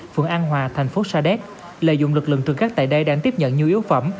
phường an hòa thành phố sa đéc lợi dụng lực lượng trường các tại đây đang tiếp nhận nhiều yếu phẩm